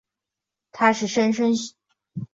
是莘莘学子成才的理想之地。